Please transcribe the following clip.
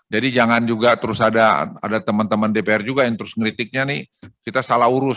jadi jangan juga terus ada teman teman dpr juga yang terus ngeritiknya nih kita salah urus